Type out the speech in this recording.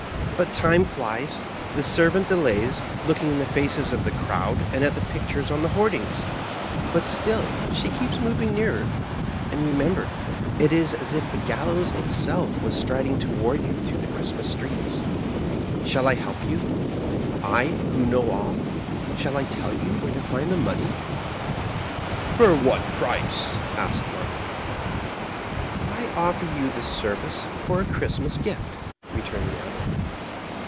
But time flies; Digitized by VjOOQIC MARKHEIM. 71 the servant delays, looking in the faces of the crowd and at the pictures on the hoardings, but still she keeps mov ing nearer; and remember, it is as if the gallows itself was striding toward you through the Christmas streets 1 ShaU I help you; I, who know all? Shall I tell you where to find the money ?"" JFor what price ?" asked Markheim. "I offer you the service for a Christmas gift," re turned the other.